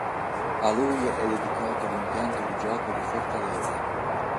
A lui è dedicato l'impianto di gioco di Fortaleza.